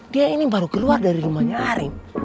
dia ini baru keluar dari rumahnya lari